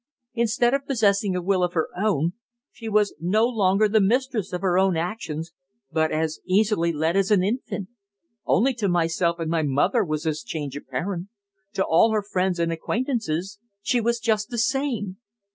Instead of possessing a will of her own, she was no longer the mistress of her actions, but as easily led as an infant. Only to myself and to my mother was this change apparent. To all her friends and acquaintances she was just the same.